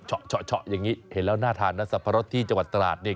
ชะแบบนี้เห็นแล้วหน้าทานนะสัพพะรสที่จังหวัดตราศนี่